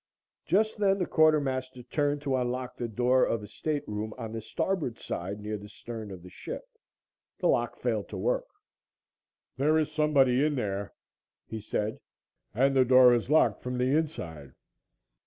Just then the quartermaster turned to unlock the door of a stateroom on the starboard side near the stern of the ship. The lock failed to work. "There is somebody in there," he said, "and the dock is locked from the inside."